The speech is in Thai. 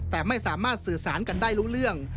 แต่ไม่สามารถสื่อสารกันได้รู้เรื่อง